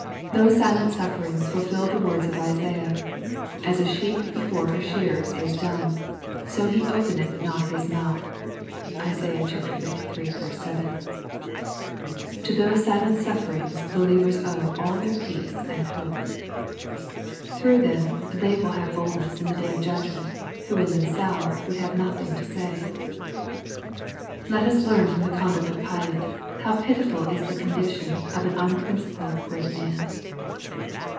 Those silent sufferings fulfilled the words of Isaiah, "as a sheep before her shearers is dumb, BO he openeth not his mouth." (Isaiah liii. 7.) To those silent sufferings believers owe all their peace and hope. — Through them they will have boldness in the day of judgment, who in themselves would have nothing to say. Let us learn from the conduct of Pilate, how pitiful is the condition of an unprincipled great man.